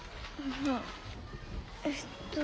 えっと。